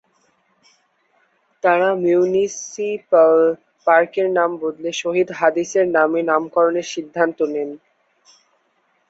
তারা মিউনিসিপ্যাল পার্কের নাম বদলে শহীদ হাদিসের নামে নামকরণের সিদ্ধান্ত নেন।